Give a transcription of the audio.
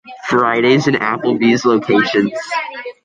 Friday's and Applebee's locations.